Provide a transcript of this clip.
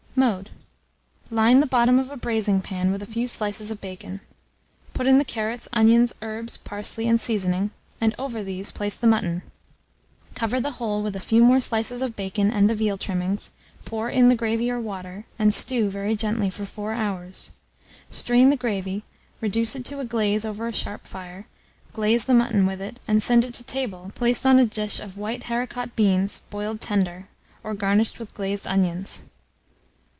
Mode. Line the bottom of a braising pan with a few slices of bacon, put in the carrots, onions, herbs, parsley, and seasoning, and over these place the mutton. Cover the whole with a few more slices of bacon and the veal trimmings, pour in the gravy or water, and stew very gently for 4 hours. Strain the gravy, reduce it to a glaze over a sharp fire, glaze the mutton with it, and send it to table, placed on a dish of white haricot beans boiled tender, or garnished with glazed onions.